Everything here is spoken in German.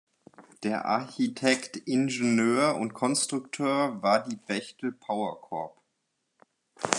Der Architekt, Ingenieur und Konstrukteur war die Bechtel Power Corp.